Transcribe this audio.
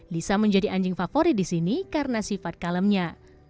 lisa menjadi anjing favorit di sini karena sifat kalemnya